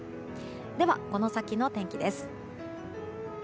では、この先の天気です。